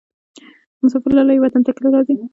مسافر لالیه وطن ته کله راځې؟